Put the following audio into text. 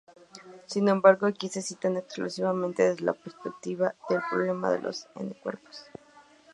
Sin embargo, aquí se citan exclusivamente desde la perspectiva del "problema de los n-cuerpos".